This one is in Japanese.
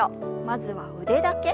まずは腕だけ。